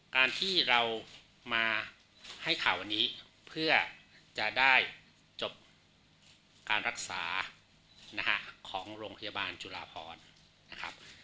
การที่เรามาให้ข่าววันนี้เพื่อจะได้จบการรักษานะฮะของโรงพยาบาลจุฬาพรนะครับ